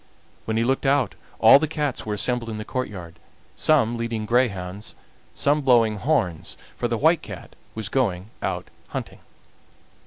When he looked out all the cats were assembled in the courtyard, some leading greyhounds, some blowing horns, for the White Cat was going out hunting.